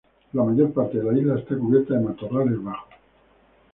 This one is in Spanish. La mayor parte de la isla está cubierta de matorrales bajos.